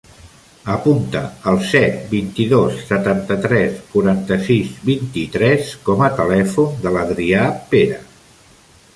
Apunta el set, vint-i-dos, setanta-tres, quaranta-sis, vint-i-tres com a telèfon de l'Adrià Pera.